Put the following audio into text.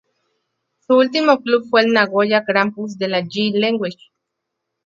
Su último club fue el Nagoya Grampus de la J. League.